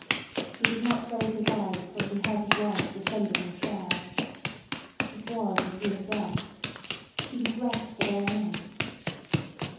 He did not raise his eyes till he heard his wife descending the stairs. It was as he had guessed. She was dressed for going out.